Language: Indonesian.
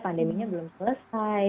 pandeminya belum selesai